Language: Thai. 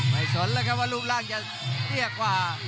ไม่สนเลยครับว่ารูปร่างจะเรียกกว่า